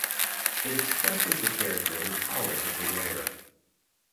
It expresses the character and powers of the wearer.